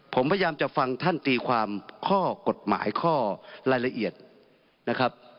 ผมพยายามจะฟังท่านตีความข้อกฎหมายข้อรายละเอียดนะครับ